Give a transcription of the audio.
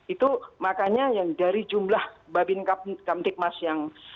itu makanya yang dari jumlah babin kamtikmas yang